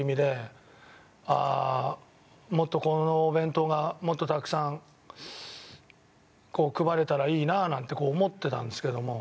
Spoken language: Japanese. ああもっとこのお弁当がもっとたくさん配れたらいいななんて思ってたんですけども。